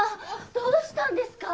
どうしたんですか！？